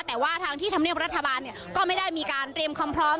แต่ว่าทางที่ธรรมเนียบรัฐบาลก็ไม่ได้มีการเตรียมความพร้อม